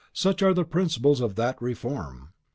Such are the principles of that Reform.